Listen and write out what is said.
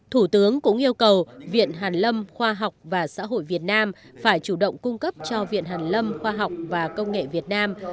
thủ tướng cũng yêu cầu viện hàn lâm khoa học và xã hội việt nam phải chủ động cung cấp cho viện hàn lâm khoa học và công nghệ việt nam